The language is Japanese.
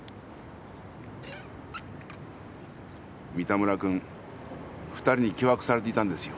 三田村君２人に脅迫されていたんですよ。